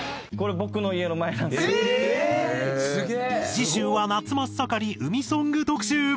次週は夏真っ盛り海ソング特集。